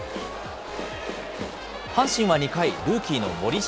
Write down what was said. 阪神は２回、ルーキーの森下。